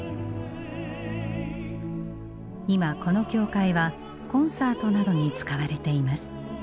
今この教会はコンサートなどに使われています。